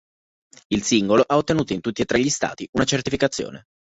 Il singolo ha ottenuto in tutti e tre gli Stati una certificazione.